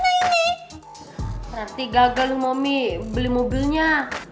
berarti gagal maumi beli mobilnya